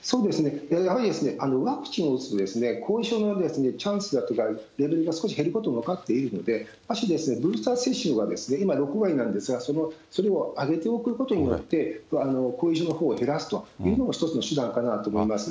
そうですね、やはりワクチンを打つと、後遺症のチャンスが、レベルが少し減ることも分かっていますので、ブースター接種は今、６割なんですが、それを上げておくことによって、後遺症のほうを減らすというのが、一つの手段かなと思います。